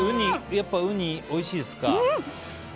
やっぱウニおいしいですか。